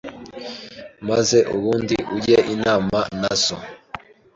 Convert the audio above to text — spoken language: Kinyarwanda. maze ubundi ujye inama na so